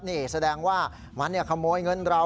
นี่แสดงว่ามันขโมยเงินเรา